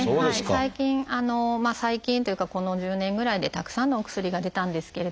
最近最近というかこの１０年ぐらいでたくさんのお薬が出たんですけれども。